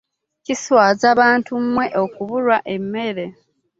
Kiswaza bantu mmwe okubulwa emmere.